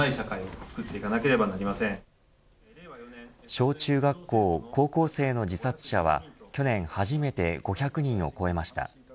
小中学校、高校生の自殺者は去年初めて５００人を超えました。